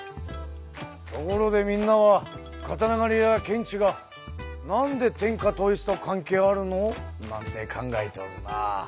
ところでみんなは刀狩や検地がなんで天下統一と関係あるの？なんて考えておるな。